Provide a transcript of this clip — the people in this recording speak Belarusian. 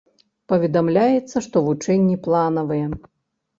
Паведамляецца, што вучэнні планавыя.